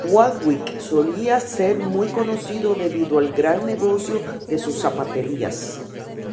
Waalwijk solía ser muy conocido debido al gran negocio de sus zapaterías.